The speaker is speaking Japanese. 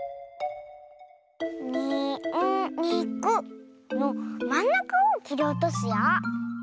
「に・ん・に・く」のまんなかをきりおとすよ。